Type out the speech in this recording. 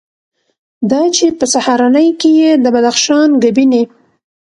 دا چې په سهارنۍ کې یې د بدخشان ګبیني،